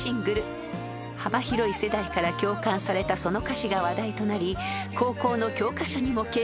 ［幅広い世代から共感されたその歌詞が話題となり高校の教科書にも掲載］